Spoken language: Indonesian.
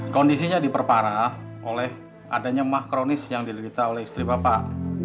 kondisinya diperparah oleh adanya makronis yang dilirikkan oleh istri bapak